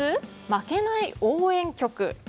負けない応援曲。